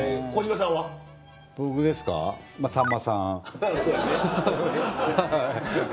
さんまさん。